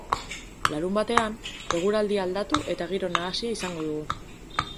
Larunbatean, eguraldia aldatu eta giro nahasia izango dugu.